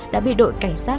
để để zij bác